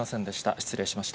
失礼しました。